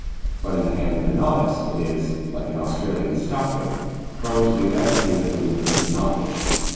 But in the hands of a novice it is, like the Australian stock whip, prone to do everything that the wielder does not wish.